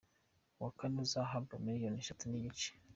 Uwa kane azahabwa miliyoni eshatu n’igice .